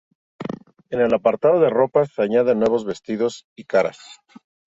En el apartado de ropas, se añaden nuevos vestidos y caras.